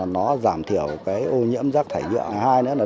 một nó giảm thiểu ô nhiễm rác thải nhựa